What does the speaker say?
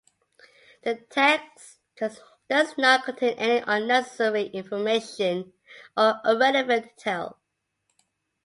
The text does not contain any unnecessary information or irrelevant details.